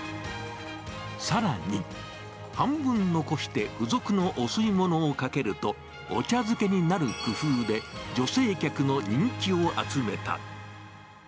さらに、半分残して付属のお吸い物をかけると、お茶漬けになる工夫で、女性客の人気を集めた。